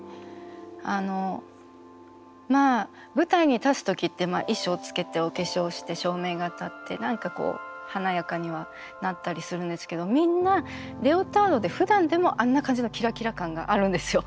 あのまあ舞台に立つ時って衣装着けてお化粧して照明が当たって何かこう華やかにはなったりするんですけどみんなレオタードでふだんでもあんな感じのキラキラ感があるんですよ。